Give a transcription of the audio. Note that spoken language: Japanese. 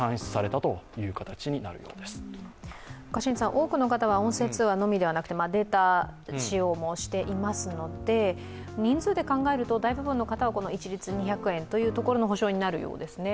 多くの方は音声通話のみではなくて、データ使用もしていますので人数で考えると大部分の方は一律２００円というところの補償になるようですね。